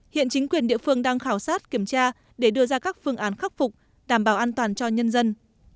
hiện chính quyền địa phương đang khảo sát kiểm tra để đưa ra các phương án khắc phục đảm bảo an toàn cho nhân dân